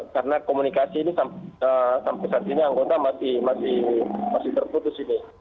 karena komunikasi ini sampai saat ini anggota masih terputus ini